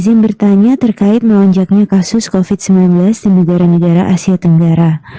izin bertanya terkait melonjaknya kasus covid sembilan belas di negara negara asia tenggara